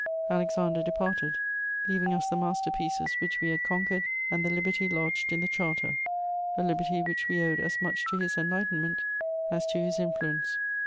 Alexander departed, leaving us the master pieces which we had conquered and the liberty lodged in the Charter, a liberty which we owed as much to his enlightenment as to his influence.